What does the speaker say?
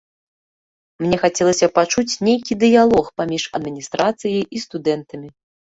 Мне хацелася пачуць нейкі дыялог паміж адміністрацыяй і студэнтамі.